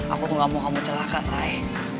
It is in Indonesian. aku tuh gak mau kamu celaka rai